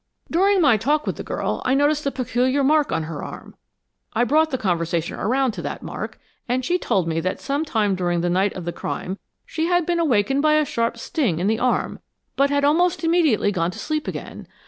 "During my talk with the girl I noticed a peculiar mark on her arm. I brought the conversation around to that mark, and she told me that some time during the night of the crime she had been awakened by a sharp sting in the arm, but had almost immediately gone to sleep again.